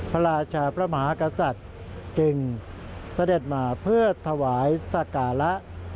พระราชาพระมหากษัตริย์เก่งเสด็จมาเพื่อถวายสการะ